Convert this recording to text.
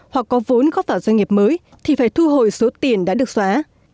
hoặc có vốn góp vào doanh nghiệp mới thì phải thu hồi số tiền đã được xóa